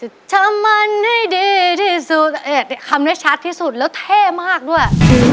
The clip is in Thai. ทำมันให้ดีที่สุดทำได้ชัดที่สุดแล้วเท่มากด้วย